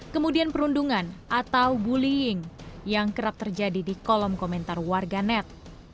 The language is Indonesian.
kemudian perundungan atau bullying yang kerap terjadi di kolom komentar warga net